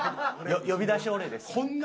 呼び出し御礼です。